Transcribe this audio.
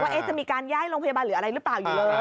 ว่าจะมีการย่ายโรงพยาบาลหรืออะไรอยู่เลย